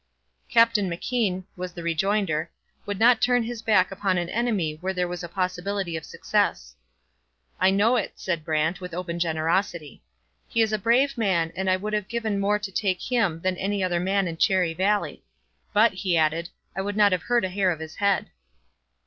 'Captain McKean,' was the rejoinder, 'would not turn his back upon an enemy where there was a possibility of success.' 'I know it,' said Brant, with open generosity. 'He is a brave man, and I would have given more to take him than any other man in Cherry Valley. But,' he added, 'I would not have hurt a hair of his head.'